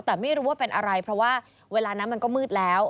แต่ไม่รู้ว่าเป็นอะไรเพราะว่าเวลานั้นมันก็มืดแล้ว